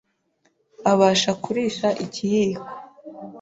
abasha kurisha ikiyiko